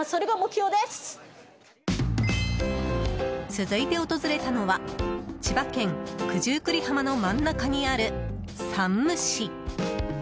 続いて訪れたのは千葉県九十九里浜の真ん中にある山武市。